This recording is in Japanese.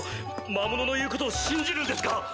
魔物の言うことを信じるんですか？